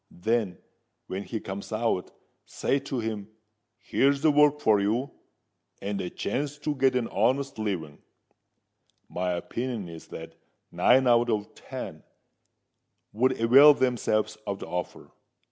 Then, when he comes out, say to him, 'Here's work for you, and a chance to get an honest living.' My opinion is that nine out of ten would awail themselves of the offer.